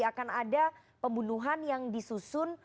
akan ada pembunuhan yang disusun